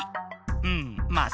うんまあ